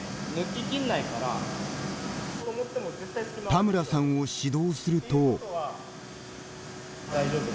田村さんを指導すると。